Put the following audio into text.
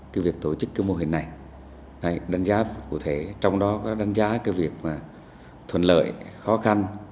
cái việc tổ chức cái mô hình này đánh giá cụ thể trong đó có đánh giá cái việc mà thuận lợi khó khăn